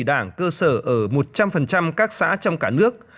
đảng cơ sở ở một trăm linh các xã trong cả nước